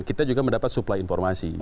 kita juga mendapat suplai informasi